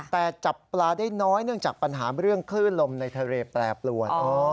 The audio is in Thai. แต่จับปลาได้น้อยเนื่องจากปัญหาเรื่องคลื่นลมในทะเลแปรปรวน